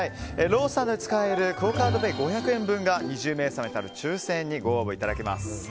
ローソンなどで使えるクオ・カードペイ５００円分が２０名様に当たる抽選にご応募いただけます。